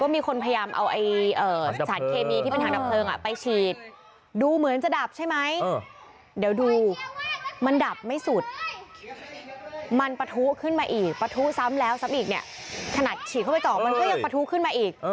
มันปภูเข้ามาอีกปภูซ้ำแล้วซ้ำอีกขนาดฉี่เข้าไปจอกมันก็ยังปภูขึ้นมาอีก